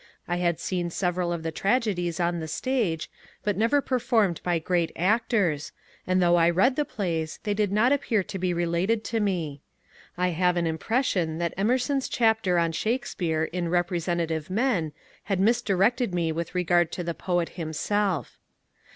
I had seen several of the tragedies on the stage, but never performed by great actors, and though I read the plays they did not appear to be related to me. I have an impression that Emerson's chapter on Shakespeare in ^ Representative Men " had misdirected me with regard to the poet himself.